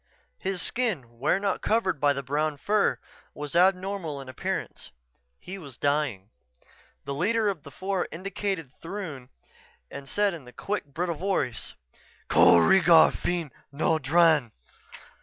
His skin, where not covered by the brown fur, was abnormal in appearance. He was dying. The leader of the four indicated Throon and said in a quick, brittle voice: "_Ko reegar feen no dran!